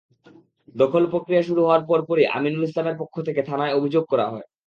দখল-প্রক্রিয়া শুরু হওয়ার পরপরই আমিনুল ইসলামের পক্ষ থেকে থানায় অভিযোগ করা হয়।